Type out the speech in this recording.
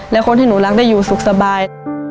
และคนที่หนูรักได้อยู่สุขสบาย